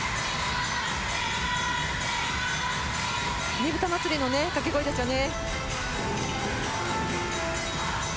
ねぶた祭の掛け声ですよね。